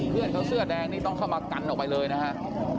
เพื่อนเขาเสื้อแดงนี่ต้องเข้ามากันออกไปเลยนะฮะ